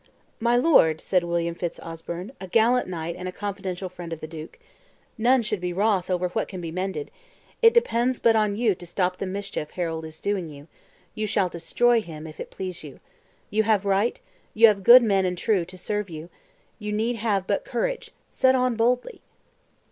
"My lord," said William Fitz Osbern, a gallant knight and confidential friend of the duke, "none should be wroth over what can be mended: it depends but on you to stop the mischief Harold is doing you; you shall destroy him, if it please you. You have right; you have good men and true to serve you; you need but have courage: set on boldly."